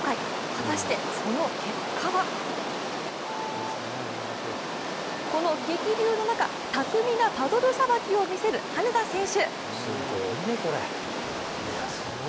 果たして、その結果はこの激流の中巧みなパドルさばきを見せる羽根田選手。